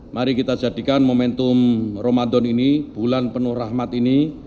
mari kita jadikan momentum ramadan ini bulan penuh rahmat ini